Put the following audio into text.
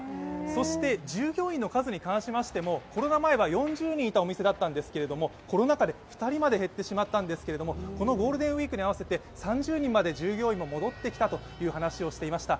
そして従業員の数に関しましてもコロナ前は４０人いたお店だったんですが、コロナ禍で２人まで減ってしまったんですけれども、このゴールデンウイークに合わせて３０人まで従業員も戻ってきたという話をしていました。